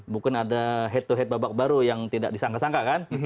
mungkin ada head to head babak baru yang tidak disangka sangka kan